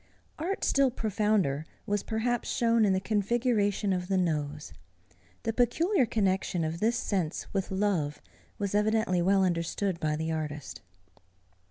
Art still profounder was perhaps shown in the configuration of the nose. The peculiar connexion of this sense with love was evidently well understood by the artist.